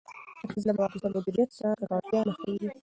د فاضله موادو سم مديريت سره، ککړتيا نه خپرېږي.